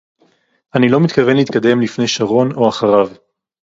אני לא מתכוון להתקדם לפני שרון או אחריו